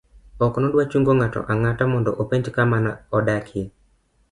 ok nodwa chungo ng'ato ang'ata mondo openj kama ne odakie